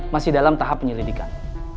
masih dalam tahap penyelidikan